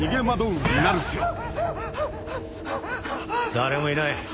誰もいない。